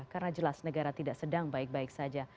karena jelas negara tidak sedang baik baik saja